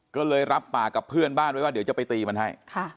ก็เลยรับปากกับเพื่อนบ้านไว้ว่าเดี๋ยวจะไปตีมันให้